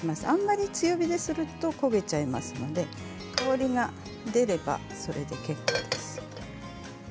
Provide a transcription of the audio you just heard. あまり強火ですると焦げてしまいますので香りが出れば、それで結構です。